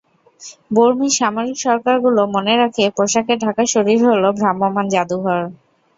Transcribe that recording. বর্মি সামরিক সরকারগুলো মনে রাখে, পোশাকে ঢাকা শরীর হলো ভ্রাম্যমাণ জাদুঘর।